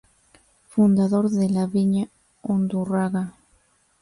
Fundador de la Viña Undurraga.